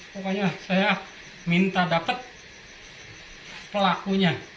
pokoknya saya minta dapat pelakunya